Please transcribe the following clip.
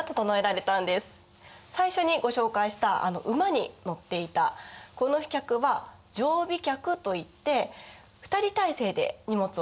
最初にご紹介したあの馬に乗っていたこの飛脚は定飛脚といって２人体制で荷物を運んでたんですよ。